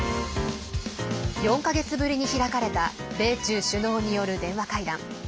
４か月ぶりに開かれた米中首脳による電話会談。